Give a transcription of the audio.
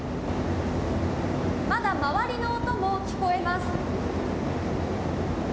まだ周りの音も聞こえます。